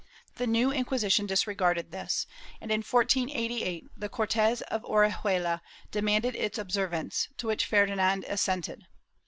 The new Inquisition disregarded this and, in 1488, the Cortes of Orihuela demanded its observance, to which Ferdinand assented.